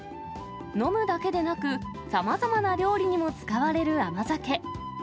飲むだけでなく、さまざまな料理にも使われる甘酒。